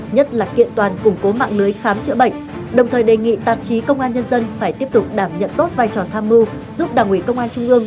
nhất là kiện toàn củng cố mạng lưới khám chữa bệnh đồng thời đề nghị tạp chí công an nhân dân phải tiếp tục đảm nhận tốt vai trò tham mưu giúp đảng ủy công an trung ương